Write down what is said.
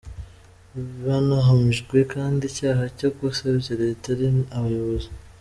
Banahamijwe kandi icyaha cyo gusebya Leta ari abayobozi.